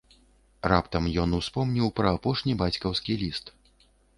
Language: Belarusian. Раптам ён успомніў пра апошні бацькаўскі ліст.